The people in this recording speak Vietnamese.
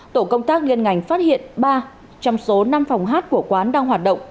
tổ công tác liên ngành phát hiện ba trong số năm phòng hát của quán đang hoạt động